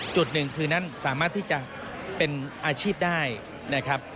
จุดหนึ่งคือนั้นสามารถที่จะเป็นอาชีพได้นะครับ